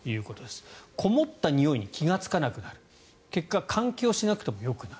こもったにおいに気がつかなくなる結果、換気をしなくてもよくなる。